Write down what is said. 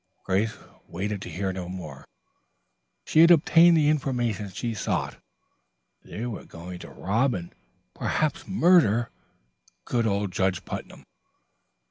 Grace waited to hear no more. She had obtained the information she sought. They were going to rob and perhaps murder good old Judge Putnam.